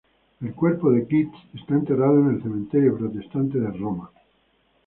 El cuerpo de Keats está enterrado en el cementerio protestante de Roma.